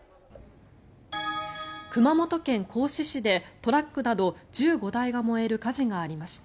熊本県合志市でトラックなど１５台が燃える火事がありました。